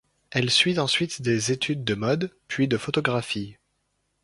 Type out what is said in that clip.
Elle suit ensuite des études de mode, puis de photographie.